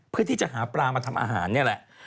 เพื่อที่จะหาปลามาทำอาหารนี่แหละ